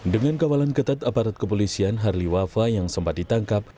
dengan kawalan ketat aparat kepolisian harley wafa yang sempat ditangkap